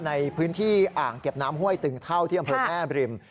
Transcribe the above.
ในพื้นที่อ่างเก็บน้ำห้วยตึงเท่าที่อำเภอแม่บริม